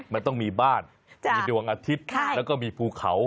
มันต้องมีบ้านมีดวงอาทิตย์แล้วก็มีภูเขา